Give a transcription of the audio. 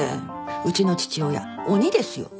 うちの父親鬼ですよ鬼。